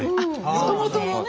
もともとのね。